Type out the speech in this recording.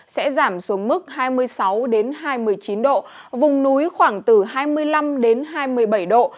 sẽ giảm xuống mức hai mươi sáu hai mươi chín độ vùng núi khoảng từ hai mươi năm đến hai mươi bảy độ